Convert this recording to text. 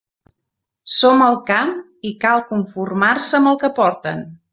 Som al camp i cal conformar-se amb el que porten.